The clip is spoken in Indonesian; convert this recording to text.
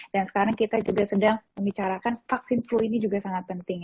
dan sekarang kita juga sedang membicarakan vaksin flu ini juga sangat penting